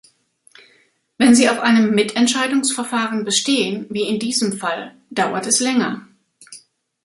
Wenn Sie auf einem Mitentscheidungsverfahren bestehen, wie in diesem Fall, dauert es länger.